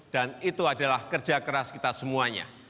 dan itu adalah kerja keras kita semuanya